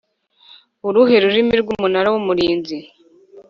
uruhe rurimi Umunara w Umurinzi